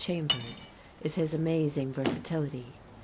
Chambers is his amazing versatility.